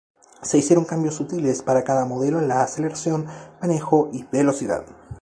Se hicieron cambios sutiles para cada modelo en la aceleración, manejo y velocidad.